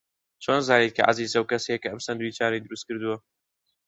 چۆن زانیت کە عەزیز ئەو کەسەیە کە ئەم ساندویچانەی دروست کردووە؟